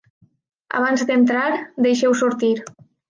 Abans d'entrar, deixeu sortir.